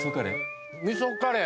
味噌カレー？